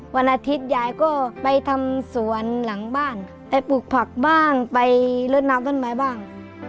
วันอาทิตยายก็ไปทำสวนหลังบ้านไปปลูกผักบ้างไปลดน้ำต้นไม้บ้าง